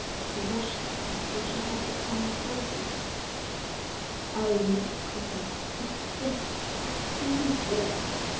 She rushed in when she heard the sound of voices. 'Oh, Mrs Griffith, it's dreadful! simply dreadful!